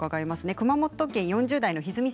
熊本県４０代の方です。